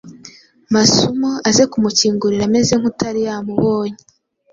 Masumo: Aze kumukingurira ameze nk’utari yamubonye